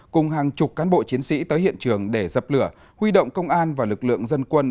cùng hàng chục cán bộ chiến sĩ tới hiện trường để dập lửa huy động công an và lực lượng dân quân